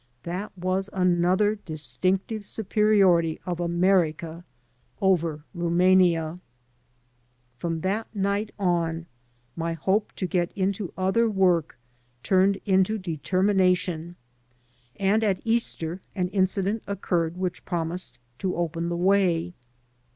That was another distinctive superiority of America over Rumania. From that night on my hope to get into other work turned into determination, and at Easter an incident occurred which promised to open the way.